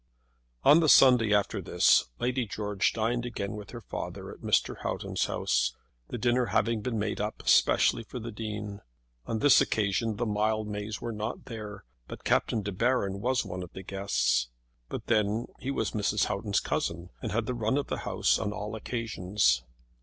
On the Sunday after this Lady George dined again with her father at Mr. Houghton's house, the dinner having been made up especially for the Dean. On this occasion the Mildmays were not there; but Captain De Baron was one of the guests. But then he was Mrs. Houghton's cousin, and had the run of the house on all occasions.